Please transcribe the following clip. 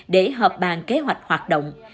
để hợp bàn kế hoạch hoạt động